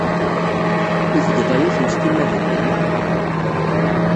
I tgeḍ aya kemm s timmad-nnem?